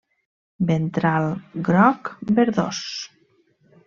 Ventral groc verdós.